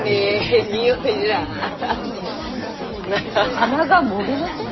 鼻がもげません？